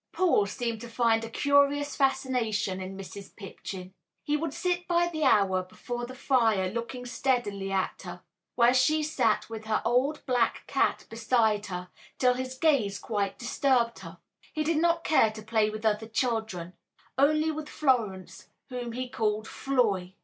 Paul seemed to find a curious fascination in Mrs. Pipchin. He would sit by the hour before the fire looking steadily at her, where she sat with her old black cat beside her, till his gaze quite disturbed her. He did not care to play with other children only with Florence, whom he called "Floy."